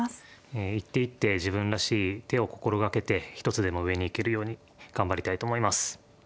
え一手一手自分らしい手を心掛けて一つでも上に行けるように頑張りたいと思います。